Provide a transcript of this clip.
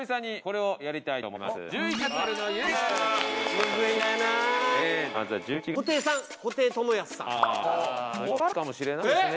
遠からずかもしれないですね。